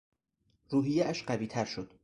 روحیهاش قویتر شد.